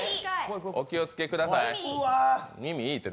お気をつけください。